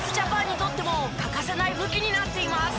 ＪＡＰＡＮにとっても欠かせない武器になっています。